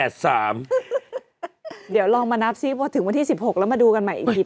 เดี๋ยวลองมานับซิพอถึงวันที่๑๖แล้วมาดูกันใหม่อีกที